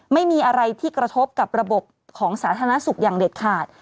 ไม่มีอะไรที่กระทบกับระบบของสาธารณสุขอย่างเด็ดขาด